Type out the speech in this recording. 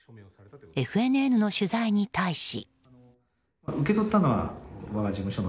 ＦＮＮの取材に対し。